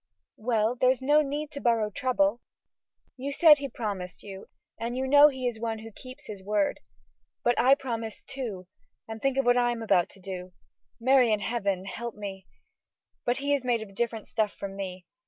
"Well! there is no need to borrow trouble. You said he promised you, and you know he is one who keeps his word." "But I promised, too, and think of what I am about to do. Mary in heaven, help me! But he is made of different stuff from me.